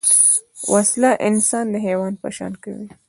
وسله انسان د حیوان په شان کوي